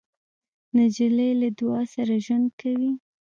نجلۍ له دعا سره ژوند کوي.